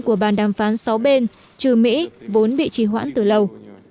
của bàn đàm phán sáu bên trừ mỹ vốn bị trì hoãn từ lâu